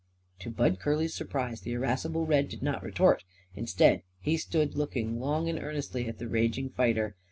To Bud Curly's surprise the irascible Red did not retort. Instead, he stood looking long and earnestly at the raging fighter.